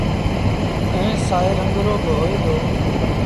ائيٚݩ سآئي رنگ رو با هوئي دو۔